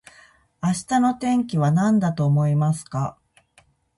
明日の天気はなんだと思いますか